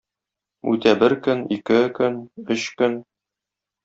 Үтә бер көн, ике көн, өч көн.